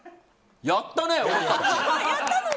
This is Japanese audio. やったね！